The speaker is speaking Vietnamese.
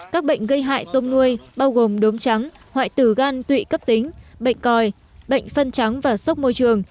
các bệnh gây hại tôm nuôi bao gồm đốm trắng hoại tử gan tụy cấp tính bệnh còi bệnh phân trắng và sốc môi trường